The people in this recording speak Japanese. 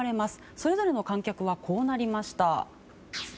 それぞれの観客はこうなりました。